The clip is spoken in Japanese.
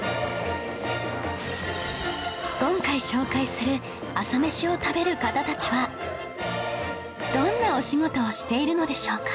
今回紹介する朝メシを食べる方たちはどんなお仕事をしているのでしょうか？